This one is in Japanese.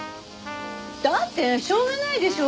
だってしょうがないでしょ！